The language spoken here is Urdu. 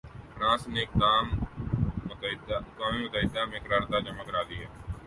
فرانس نے اقدام متحدہ میں قرارداد جمع کرا دی ہے۔